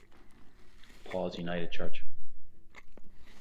Paul's United Church.